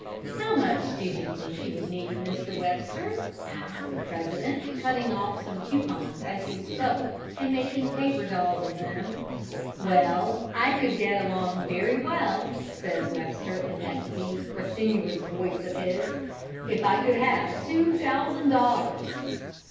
"How much did you think you would need, Mr. Webster?" asked the President, cutting off some coupons as he spoke and making paper dolls of them. "Well, I could get along very well," said Webster, in that deep, resinous voice of his, "if I could have two thousand dollars."